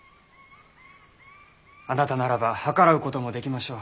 あなたならば計らうこともできましょう。